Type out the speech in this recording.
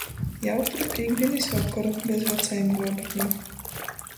Jautru pīktdīnis vokoru! Bez vacajim gruobeklim.